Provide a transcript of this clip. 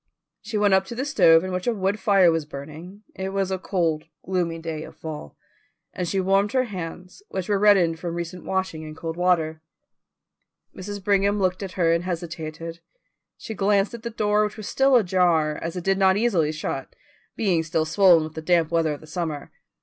She went up to the stove in which a wood fire was burning it was a cold, gloomy day of fall and she warmed her hands, which were reddened from recent washing in cold water. Mrs. Brigham looked at her and hesitated. She glanced at the door, which was still ajar, as it did not easily shut, being still swollen with the damp weather of the summer.